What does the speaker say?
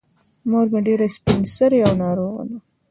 مور مې ډېره سبین سرې او ناروغه ده.